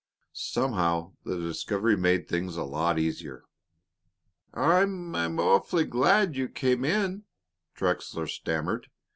Somehow the discovery made things a lot easier. "I I'm awfully glad you came in," Trexler stammered.